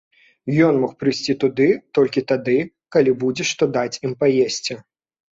Ён мог прыйсці туды толькі тады, калі будзе што даць ім паесці.